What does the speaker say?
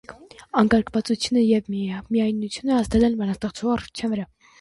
Անկարգվածությունը և միայնությունը ազդել են բանաստեղծուհու առողջության վրա։